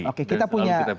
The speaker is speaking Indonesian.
oke kita punya